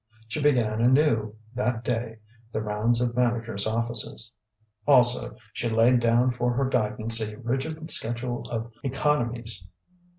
She began anew, that day, the rounds of managers' offices. Also, she laid down for her guidance a rigid schedule of economies.